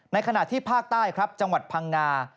ขณะที่ภาคใต้ครับจังหวัดพังงา